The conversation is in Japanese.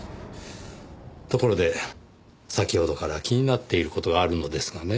ところで先ほどから気になっている事があるのですがね。